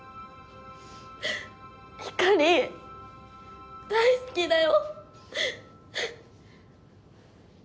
ひかり大好きだよ。